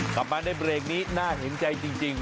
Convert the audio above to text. กลับมาในเบรกนี้น่าเห็นใจจริง